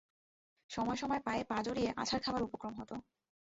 সময় সময় পায়ে পা জড়িয়ে আছাড় খাবার উপক্রম হত।